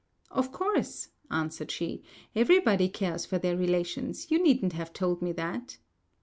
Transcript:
"Of course," answered she, "everybody cares for their relations; you needn't have told me that."